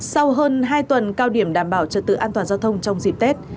sau hơn hai tuần cao điểm đảm bảo trật tự an toàn giao thông trong dịp tết